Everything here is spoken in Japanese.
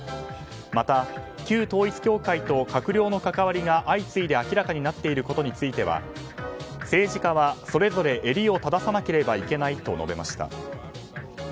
また、旧統一教会と閣僚の関わりが相次いで明らかになっていることについては政治家は、それぞれ襟を正さなければならないと述べました。